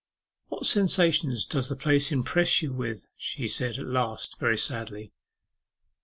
'What sensations does the place impress you with?' she said at last, very sadly.